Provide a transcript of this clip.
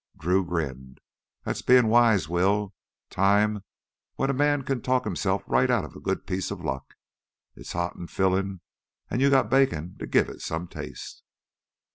Drew grinned. "That's being wise, Will. Times when a man can talk himself right out of a good piece of luck. It's hot and fillin', and you got bacon to give it some taste...."